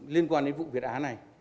liên quan đến vụ việt á này